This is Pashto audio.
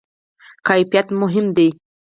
کیفیت مهم دی